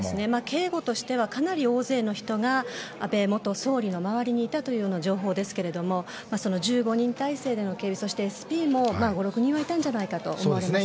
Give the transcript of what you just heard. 警護としてはかなり大勢の人が安倍元総理の周りにいたという情報ですが１５人態勢での警備そして、ＳＰも５６人はいたんじゃないかと思われますね。